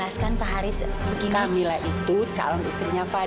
sampai jumpa di video selanjutnya